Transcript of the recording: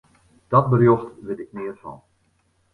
Dat berjocht wit ik neat fan.